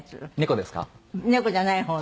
猫じゃない方の。